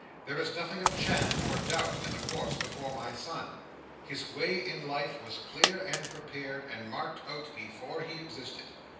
There is nothing of chance or doubt in the course before my son. His way in life was clear and prepared, and marked out before he existed.